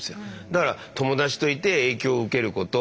だから友達といて影響を受けること。